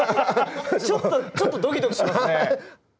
ちょっとちょっとドキドキしますね。